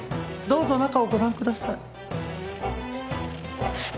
どうぞ中をご覧ください。